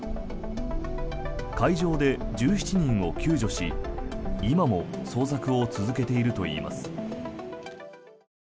海上で１７人を救助し今も捜索を続けているといいます。